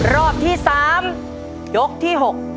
รอบที่๓ยกที่๖